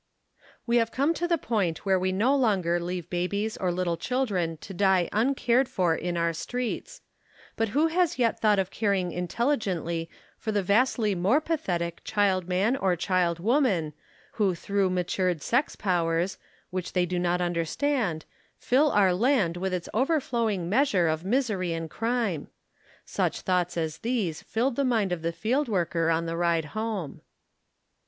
We have come to the point where we no longer leave babies or little children to die uncared for in our streets, 92 THE KALLIKAK FAMILY but who has yet thought of caring intelligently for the vastly more pathetic child man or child woman, who through matured sex powers, which they do not under stand, fill our land with its overflowing measure of mis ery and crime ? Such thoughts as these filled the mind of the field worker on the ride home.